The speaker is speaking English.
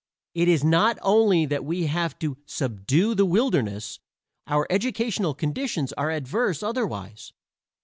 It is not only that we have had to "subdue the wilderness"; our educational conditions are adverse otherwise.